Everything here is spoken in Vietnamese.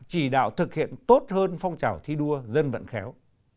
chỉ đạo thực hiện tốt hơn phong trào thi đua dân vận khéo